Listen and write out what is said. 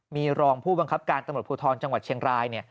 มีรองผู้บังคับการตำรวจภูทรจังหวัดเชียงราย